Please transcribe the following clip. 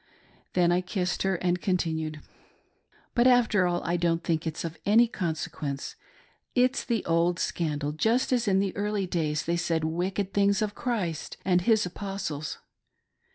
Then I kissed her, and con tinued :" But, after all, I don't think it's of any consequence. It's the old scandal, just as in the early days they said wicked things of Christ and His apostles.